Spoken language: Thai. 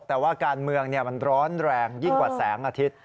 แต่ว่าการเมืองมันร้อนแรงยิ่งกว่าแสงอาทิตย์